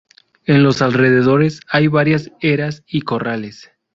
En los alrededores hay varias eras y corrales.